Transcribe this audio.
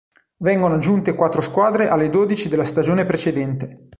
Vengono aggiunte quattro squadre alle dodici della stagione precedente.